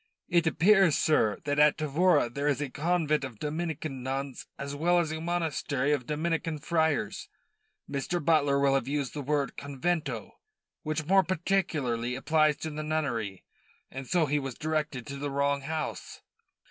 "It appears, sir, that at Tavora there is a convent of Dominican nuns as well as a monastery of Dominican friars. Mr. Butler will have used the word 'convento,' which more particularly applies to the nunnery, and so he was directed to the wrong house."